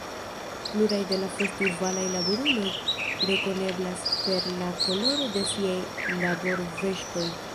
Pluraj de la festivalaj laboruloj rekoneblas per la koloro de siaj laborveŝtoj.